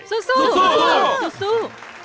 สู้สู้สู้